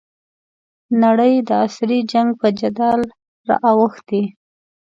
نړۍ د عصري جنګ په جدل رااوښتې.